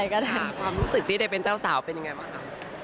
กระถาความรู้สึกที่ได้เป็นเจ้าสาวเป็นยังไงบ้างคะ